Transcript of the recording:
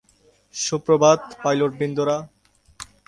সুপ্রভাত, পাইলটবৃন্দরা।